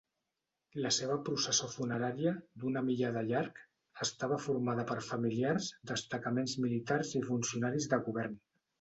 La seva processó funerària, d'una milla de llarg, estava formada per familiars, destacaments militars i funcionaris de govern.